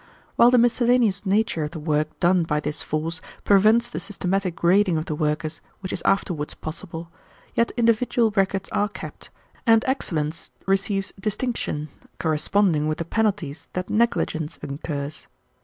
While the miscellaneous nature of the work done by this force prevents the systematic grading of the workers which is afterwards possible, yet individual records are kept, and excellence receives distinction corresponding with the penalties that negligence incurs.